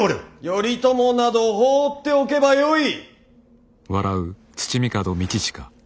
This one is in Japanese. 頼朝など放っておけばよい！